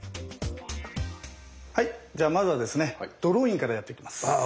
じゃあまずはドローインからやっていきます。